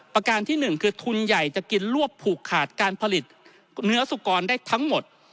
ประการที่๑คือทุนใหญ่จะกินรวบผูกขาดการผลิตเนื้อสุกรได้ทั้งหมด